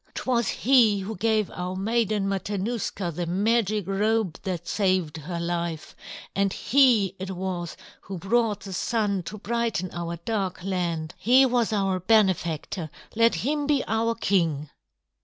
"'Twas he who gave our Maiden Matanuska the magic robe that saved her life; and he it was who brought the Sun to brighten our dark land. He was our benefactor; let him be our king!"